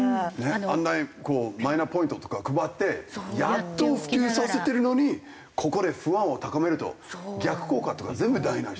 あんなにこうマイナポイントとか配ってやっと普及させてるのにここで不安を高めると逆効果というか全部台なし。